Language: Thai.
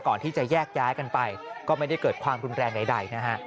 ก่อนที่จะแยกย้ายกันไปก็ไม่ได้เกิดความรุนแรงใดนะฮะ